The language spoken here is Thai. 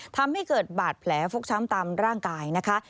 ทำให้เกิดบาดแผลฟกช้ำตามร่างกายนะคะ